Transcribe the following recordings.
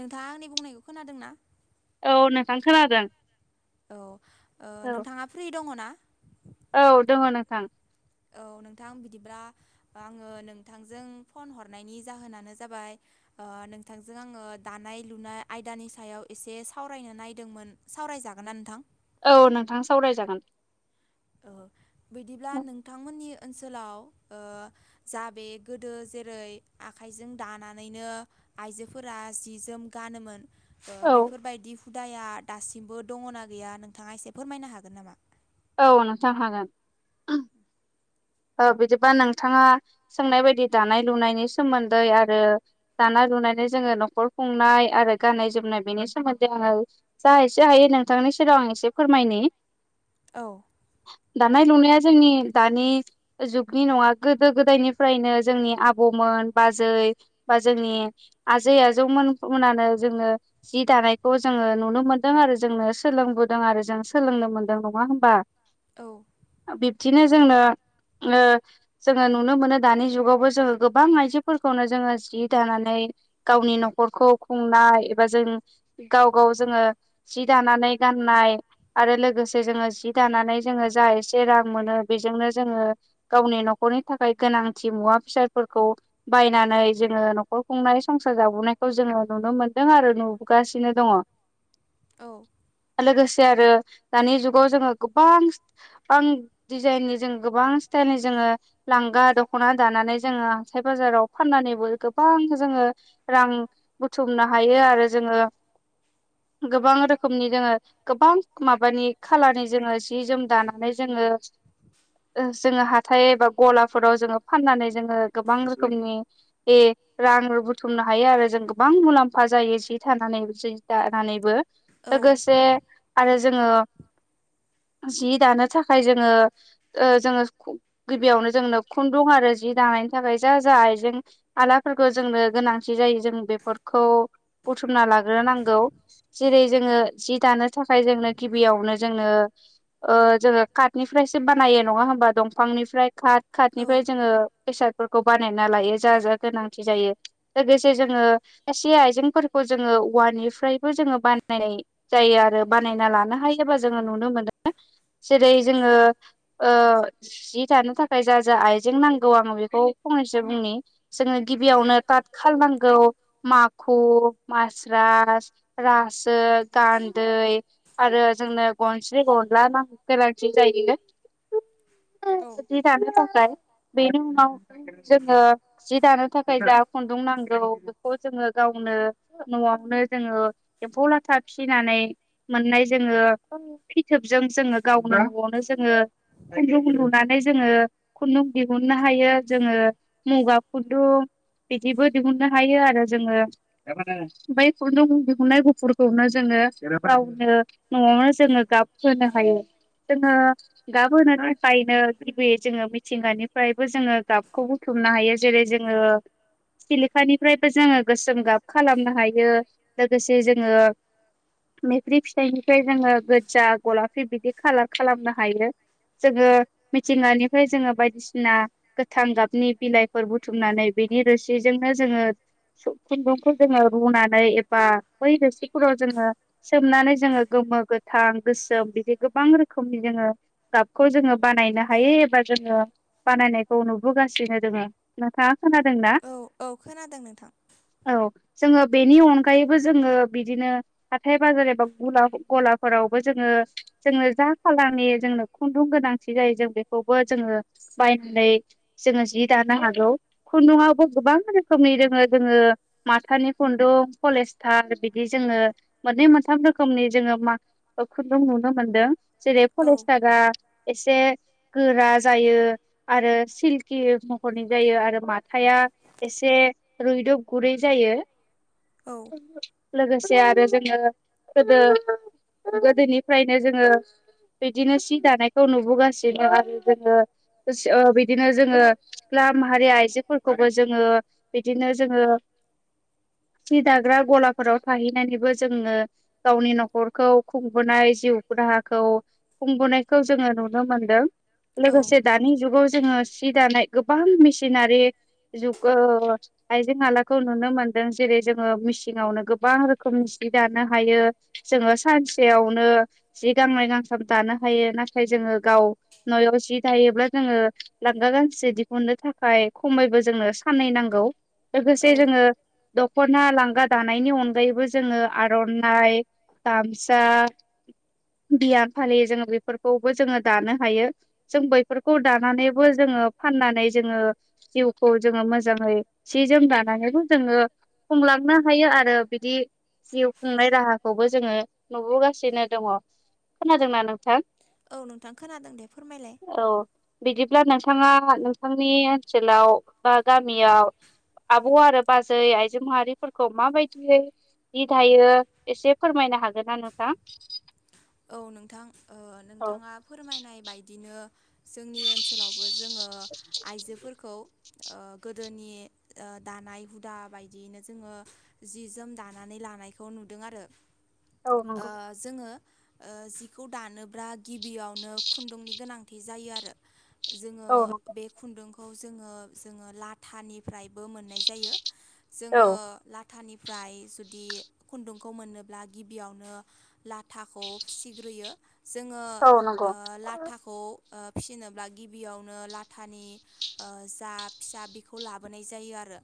नोंथाङा आंनि बुंनायखौ खोनादों ना औ नोंथां खोनादों औ नोंथाङा ओ फ्रि दङ ना औ दङ नोंथां औ नोंथां बिदिब्ला आङो नोंथांजों फन हरनायनि जाहोनानो जाबाय ओ नोंथांजों आङो दानाय लुनाय आयदानि सायाव एसे सावरायनो नायदोंमोन फरायजागोनना नोंथां औ नोंथां सावरायजागोन औ बिदिब्ला नोंथांमोननि ओनसोल ओनसोलाव ओ जा बे गोदो जेरै आखाइजों दानानैनो आइजोफोरा जि जोम गानोमोन बेफोरबायदि हुदाया दासिमबो दङना गैया नोंथाङा एसे फोरमायनो हागोन नामा औ नोंथां हागोन बिदिबा नोंथाङा सोंनाय बायदि दानाय - लुनायनि सोमोन्दै आरो दाना लुनानै जोङो न'खर खुंनाय आरो गाननाय - जोमनाय बेनि सोमोन्दै आङो जा हायस हायो नोंथांनि नि सेराव आं एसे फोरमायनि औ दानाय - लुनाया जोंनि दानि जुगनि नङा गोदो - गोदायनिफ्रायनो जोंनि आब'मोन बाजै बा जोंनि आजै- आजौमोन मोनानो जोङो जि दानायखौ जोङो नुनो मोनदों आरो जोंनो सोलों बोदों आरो जों सोलोंनो मोनदों नङा होमबा औ बिब्दिनो जोंनो ओ जोंङो नुनो मोनो दानि जुगावबो जोंङो गोबां आइजोफोरखौनो जोंङो जि दानानै गावनि न'खरखौ खुंनाय एबा जों गाव गाव जोंङो जि दानानै गाननाय आरो लोगोसे जोंङो जि दानानै जोंङो जा एसे रां मोनो बेजोंनो जोंङो गावनि न'खरनि थाखाय गोनांथि मुवा फिसादफोरखौ बायनानै जोंङो न'खर खुंनाय। संसार जाबोनायखौ जोंङो नुनो मोन्दों आरो नुबोगासिनो दंङ। औ। लोगोसे आरो दानि जुगाव जोंङो गोबां बां दिडजाइननि जों गोबां थानि जोंङो लांगा दख'ना दानानै जोंङो हाथाइ बाजाराव फाननानैबो गोबां जोंङो रां बुथुमनो हायो आरो जोंङो गोबां रोखोमनि जोंङो गोबां माबानि खालारनि जोंङो जि जोम दानानै जों ङो ओ जोंङो हाथाय एबा गलाफोराव जोंङो फाननानै जोंङो गोबां रोखोमनि बे रां बुथुमनो हायो आरो जों गोबां मुलाम्फा जायो जि थानानै जि दानानैबो लोगोसे आरो जोंङो जि दानो थाखाय जोंङो ओ जोंङो खु गिबियावनो जोंनो खुन्दुं आरो जि दानायनि थाखाय जा जा आइजें आइलाफोरखौ जोंनो गोनांथि जायो जों बेफोरखौ बुथुमना लाग्रोनो नांगौ जेरै जोंङो जि दा नो थाखाय जोंनो गिबियावनो जोंनो जोंङो काटनिफ्रायसो बानायो नंङा होमबा दं फांनिफ्राय खाट खातनिफ्राय जोंङो बेसादफोरखौ बानायना लायो जा जा गोनांथि जायो लोगोसे जोंङो खायसे आइजेंफोरखौ जोंङो औवानिफ्रायबो जोंङो बानायनाय जायो आरो बानायना लानो हायोबा जोंङो नुनो मोनो। जेरै जोंङो ओ जि दानो थाखाय जा जा आइजें नांगौ आंङो बेखौ फंनैसो बुंनि। जोंङो गिबियावनो ताथ खाल नांगौ मा खु मास्रास रासो गान्दै आरो जोंनो गनस्रि गनलानि नां गोनांथि जायो। [inaudible] जि दानो थाखाय बेनि उनाव जोंङो जि दानो थाखाय जा खुन्दुं नांगौ बेखौ जोंङो गावनो न' आवनो जोंङो एम्फौ लाथा फिनानै मोननाय जोंङो फिथोबजों जों ङो गावनो न'आवनो जोंङो खुन्दुं लुनानै जोंङो खुन्दुं दिहुननो हायो जोंङो मुगा खुन्दुं बिदिबो दिहुननो हायो आरो जोंङो बै खुन्दुं दिहुननाय गुफुरखौनो जों ङो गावनो न'आवनो जोंङो गाब होनो हायो। जोंङो गाब होनो था खायनो गिबियै जोंङो मिथिंगानिफ्रायबो जोंङो गाबखौ बुथुमनो हायो जेरै जोंङो सिलिखानिफ्रायबो जोङो गोसोम गाब खालामनो हायो लोगोसे जोङो मैफ्रि फिथाइनिफ्राय जोङो गोज्जा गलाफि बिदि खालार खालामनो हायो। खुन्दुंखौ जोङो रुनानै एबा बै रोसिफोराव जोङो सोमनानै जोङो गोमो गो थां गोसोम बिदि गोबां रोखोमनि जोंङो गाबखौ जोंङो बानायनो हायो एबा जोंङो बानायनायखौ नुबोगासिनो दोंङो नोंथांङा खोनादोंना? खोनादों नोंथां। औ जोंङो बेनि अनगायैबो जोंङो बिदिनो हाथाइ बाजार एबा गला गलाफो रावबो जोङो जोंनो जा खालारनि जोंनो खुन्दुं गोनांथि जायो जों बेखौबो जोङो बायनानै जोङो जि दानो हागौ। खुन्दुंङावबो गोबां रोखोमनि दोंङो जोङो माथानि खुन्दुं पलेस्टार बिदि जोङो ओ मोननै मोनथाम रोखोमनि जोंङो मा खुन्दुं नुनो मोनदों जेरै पलेस्टार एसे गोरा जायो आरो सिलकि महरनि जायो आरो मा हाया एसे रुयदब गुरै जायो। लोगोसे आरो जोंङो गोदो गोदोनिफ्रायनो जोङो बिदिनो सि दानायखौ नुबोगासिनो आरो जोङो ओ बिदिनो जोङो सिख्ला माहारि आइजोफोरखौबो जोङो बिदिनो जोङो [inaudible] सि दाग्रा गलाफोराव थाहैनानैबो जोङो गावनि न'खरखौ खुंबोनाय जिउ खुं बोनायखौ जोङो नुनो मोनदों लोगोसे दानि जुगाव जोङो सि दानाय गोबां मेसिनारि जु आइजें आलाखौ नुनो मोनदों जेरै जोङो मिसिंआवनो गोबां रोखोम जि दानो हायो जोङो सानसेयावनो जि गांनै गांथाम दानो हायो। नाथाय जोङो गाव न'आव जि थायोब्ला जोङो लांगा गांसे दिहुनो थाखाय खम जोंनो साननै नांगौ लोगोसे जोङो द दख'ना लांगा दानायनि अनगायैबो जोङो आर'नाइ गामसा बिया फालि जोङो बेफोरखौ बो जोङो दानो हायो जों बैफोरखौ दानानैबो जोङो फाननानै जोङो जिखौ जोङो मोजाङै सि जोम दानानैबो जोङो खुंलांनो हायो आरो बिदि जिउ खुंनाय राहाखौबो जोङो नुबोगासिनो दङ। खोनादोंना नोंथां? औ नोंथां खोनादों दे फोरमायलाय बिदिब्ला नोंथाङा नोंथांनि ओनसोलाव बा गामियाव आब' आरो बाजै आइजो माहारिफोरखौ माबायदियै जि दायो एसे फोरमाय नो हागोन नोंथां?? औ नोंथां ओ नोंथाङा फोरमायनाय बायदिनो जोंनि ओनसोलाव बो जोङो आइजोफोरखौ ओ गोदोनि ओ दानाय हुदा बायदियैनो जोङो जि जोम दानानै दानायखौ नुदों आरो ओ जोङो ओ जिखौ दानोब्ला गिबियावनो खुन्दुंनि गोनांथि जायो आरो। जोङो बे खुन्दुंखौ जोङो जोङो लाथानिफ्रायबो मोननाय जायो। जोङो ला थानिफ्राय जुदि खुन्दुंखौ मोनोब्ला गिबियावनो लाथाखौ फिसिग्रोयो जोङो लाथाखौ फिसिनोब्ला गिबियावनो लाथानि जा फिसा बेखौ लाबोनाय जायो आरो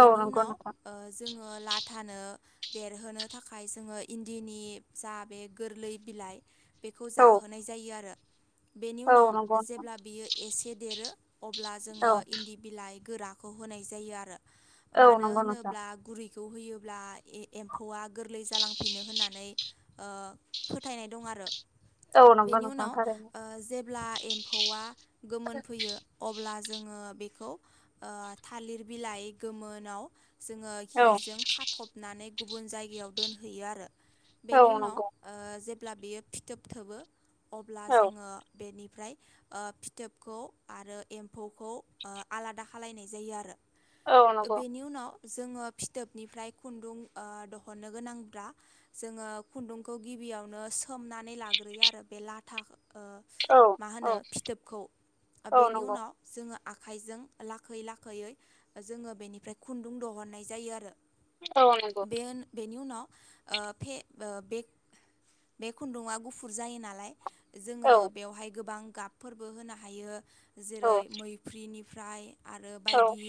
औ नंगौ नोंथां। लाथानो देरहोनो थाखाय जोङो इन्दिनि जा बे गोरलै बिलाइ बेखौ जाहोनाय जायो आरो। बेनि उनाव जेब्ला बियो एसे देरो अब्ला जोङो इन्दि बिलाइ गोरा खौ होनाय जायो आरो। मानो होनोब्ला गुरै खौ होयोब्ला ए-एम्फौआ गोरलै जालांफिनो होननानै ओ फोथायनाय दं आरो। औ नंगौ नोंथां नंगौथआरो। अब्ला एम्फौआ गोमोन फैयो अ ब्ला जोङो बे थालिर बिलाइ गोमोनाव जोङो हिजों खाथबनानै गुबुन जायगायाव दोनहैयो आरो बेनि उनाव ओ जेब्ला बियो फिथोब थोबो अब्ला जोङो बेनि फ्राय फिथोबखौ आरो एम्फौखौ आलादा खालनाय जायो आरो। बेनि उनाव जोङो फिथोबनिफ्राय खुन्दुं ओ दिहुननो गोनांब्ला जोङो खुन्दुं खौ गिबियावनो सोमनानै लाग्रोयो आरो बे लाथा ओ मा होनो फिथोबखौ बेनि उनाव जोङो आखाइजों लाखै लाखैयै जोङो बेनिफ्राय खुन्दुं दहननाय जायो आरो बेयोन बेनि उनाव ओ फे ओ बे बे खुन्दुंआ गुफुर जायो नालाय जोङो बेवहाय गोबां गाबफोरबो होनो हायो जेरै मैफ्रिनिफ्राय आरो बायदि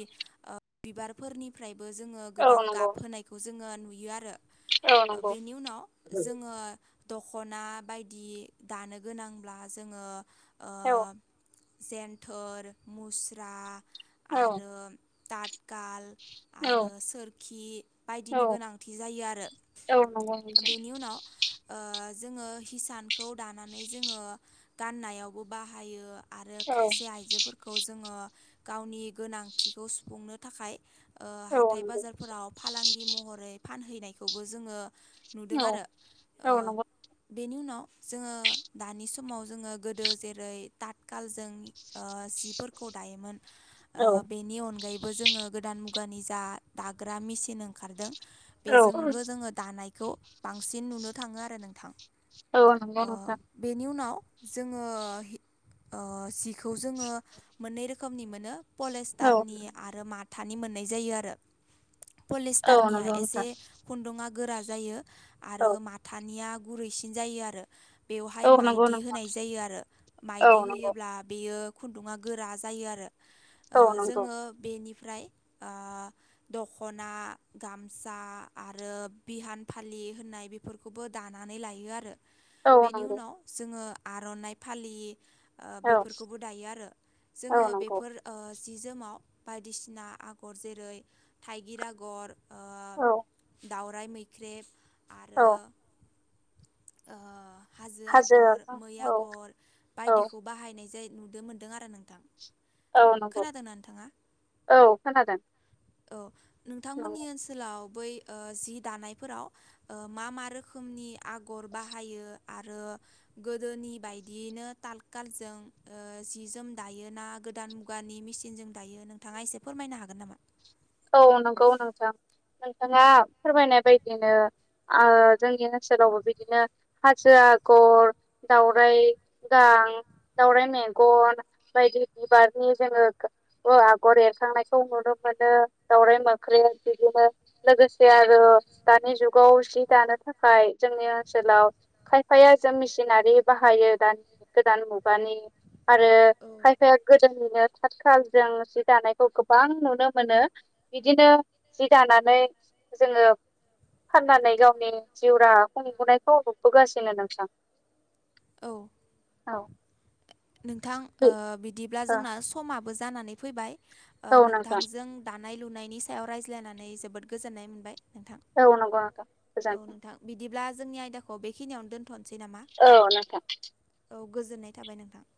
ओ बिबारफोरनिफ्रायबो जोङो गोबां गाबहोनायखौ जोङो नु यो आरो ओ बेनि उनाव जोङो दख'ना बायदि दानो गोनांब्ला जोङो औ। जेन्थर मुस्रा आरो तातकाल आरो सोरखि बायदिनि गोनांथि जायो आरो। बेनि उनाव ओ जोङो हिसानखौ दानानै जोङो गाननायावबो बाहायो। आरो खायसे आइजोफोरखौ जोङो गावनि गोनांथिखौ सुफुंनो थाखाय ओ हाथाय बाजारफोराव फालांगि महरै फानहैनायखौबो जोङो नुदों आरो ओ बेनि उनाव जोङो दानि समाव जोङो गोदो जेरै तातकालजों ओ जिफोरखौ दायोमोन। ओ बेनि अनगायैबो जोङो गोदान मुगानि जा दाग्रा मेसिन ओंखारदों बेजोंबो जोङो दानायखौ बांसिन नुनो थाङो आरो नोंथां। ओ बेनि उनाव जोङो हि ओ जिखौ जोङो मोननै रोखोमनि मोनो पलेस्टारनि आरो माथानि मोननाय जायो आरो। पलिस्टारनिया एसे खुन्दुङा गोरा जायो आरो माथानिया गुरैसिन जायो आरो। बेवहाय माइदि होनाय जायो आरो माइदि होयोब्ला बेयो खुन्दुङा गोरा जायो आरो ओ जोङो बेनि फ्राय ओ दख'ना गामसा आरो बिहान फालि होननाय बेफोरखौबो दानानै लायो आरो बेनि उनाव जोङो आर'नाइ फालि ओ बेफोरखौबो दायो आरो जोङो बेफोर ओ जि जोमाव बायदिसिना आगर जेरै थाइगिर आगर दावराय मैख्रेब औ। ओ हाजो आगर मै आगर बायदिखौ बाहायनाय जायो नुदो मोनदों आरो नोंथां। औ नंगौ औ खोनादों। औ नोंथांमोननि ओनसोलाव बै ओ जि दानायफोराव ओ मा मा रोखोमनि आगर बाहायो आरो गोदोनि बायदियैनो तालकालजों ओ जि जोम दायोना गोदान मुगा गानि मेसिनजों दायो नोंथाङा एसे फोरमायनो हागोन नामा? औ नंगौ नोंथां। नोंथाङा फोरमायनाय बायदिनो ओ जोंनि ओनसोलावबो बिदिनो हाजो आ आगर दउराय गां दाउराय मेगन बायदि बिबार नि जोङो गा आगर एरखांनायखौ नुनो मोनो। दावराइ मोख्रेब बिदिनो लोगोसे आरो दानि जुगाव जि दानो थाखाय जोंनि ओनसोलाव खायफाया जों मेसिनारि बाहायो दानि गोदान मुगानि आरो खायफाया गोदोनिनो थात खालजों जि दानायखौ गोबां नुनो मोनो। बिदिनो जि दानानै जोङो फाननानै गावनि जिउ राहा खुंबोनायखौ नुबोगासिनो नोंथां। औ। औ। नोंथां ओ बिदिब्ला जोंना समाबो जानानै फैबाय। ओ नोंथांजों दानाय लुनायनि सायाव रायज्लायनानै जोबोद गोजोननाय मोनबाय। औ नंगौ नोंथां गोजोन जोंनि आयदाखौ बेखिनियावनो दोनथ'निसै नामा औ गोजोननाय थाबाय नोंथां